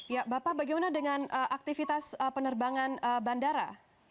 ya bapak bagaimana dengan aktivitas penerbangan bandara